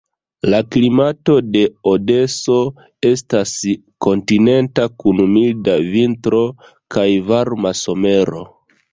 La klimato de Odeso estas kontinenta kun milda vintro kaj varma somero.